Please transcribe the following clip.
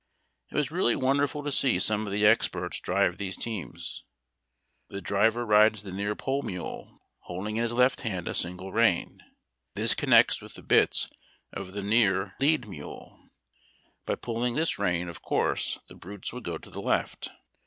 It was really wonderful to see some of the experts drive these teams. The driver rides the near pole mule, holding in his left hand a single rein. This connects with the bits of the near lead mule. By pulling this rein, of course the brutes would go to the left.